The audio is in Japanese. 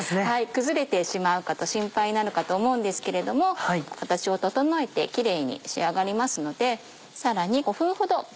崩れてしまうかと心配になるかと思うんですけれども形を整えてキレイに仕上がりますので。